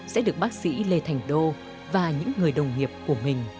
sẽ được bác sĩ lê thành đô và những người đồng nghiệp của mình hỗ trợ